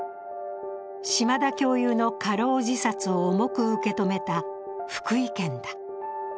嶋田教諭の過労自殺を重く受け止めた福井県だ。